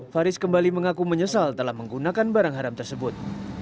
faris kembali mengaku menyesal telah menggunakan barang haram tersebut